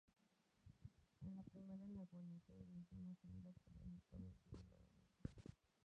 En la primavera, la guarnición realizó una salida, pero resultó vencida nuevamente.